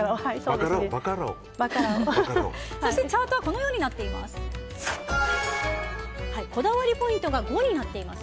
そしてチャートはこのようになっています。